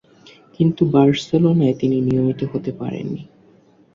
কিন্তু বার্সেলোনায় তিনি নিয়মিত হতে পারেন নি।